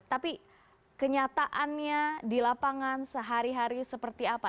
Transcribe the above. tapi kenyataannya di lapangan sehari hari seperti apa